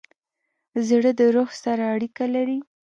زړه د روح سره اړیکه لري.